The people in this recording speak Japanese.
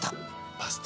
パスタ。